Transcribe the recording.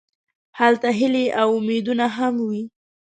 هلته هیلې او امیدونه هم وي.